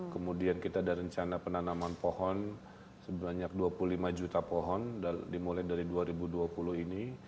kemudian kita ada rencana penanaman pohon sebanyak dua puluh lima juta pohon dimulai dari dua ribu dua puluh ini